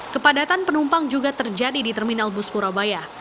kepadatan penumpang juga terjadi di terminal bus purabaya